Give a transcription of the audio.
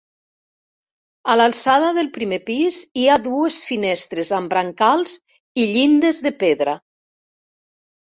A l'alçada del primer pis hi ha dues finestres amb brancals i llindes de pedra.